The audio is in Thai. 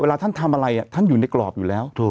เวลาท่านทำอะไรท่านอยู่ในกรอบอยู่แล้ว